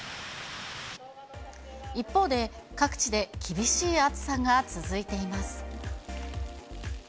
一方で、各地で厳しい暑さが続いています。